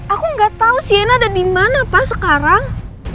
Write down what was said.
aku ga tau sienna ada dimana pa sekarang